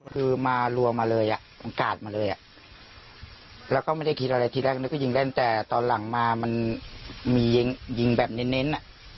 คือมารั่วมาเลยอะหม่างกาดมาเลยอะแล้วก็ไม่ได้คิดอะไรทีแรกกันก็ยิงแรงแต่ตอนหลังมามันมีเย็งยิงแบบเน้นเน้น